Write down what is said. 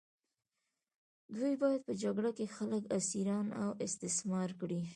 دوی باید په جګړه کې خلک اسیران او استثمار کړي.